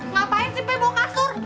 ngapain sih pak mau kasur